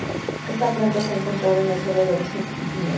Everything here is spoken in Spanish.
Esta planta se ha encontrado en suelo de origen ígneo.